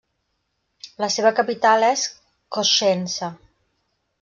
La seva capital és Cosenza.